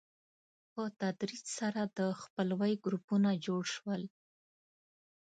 په تدریج سره د خپلوۍ ګروپونه جوړ شول.